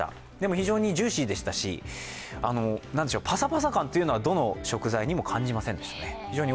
非常にジューシーでしたし、パサパサ感はどの食材にも感じませんでしたね。